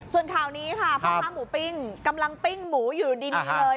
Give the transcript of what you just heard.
ส่วนข่าวนี้ค่ะพ่อค้าหมูปิ้งกำลังปิ้งหมูอยู่ดีเลย